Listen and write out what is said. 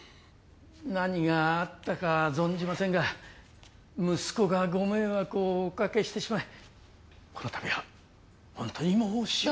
何があったか存じませんが息子がご迷惑をおかけしてしまいこのたびは本当に申し訳。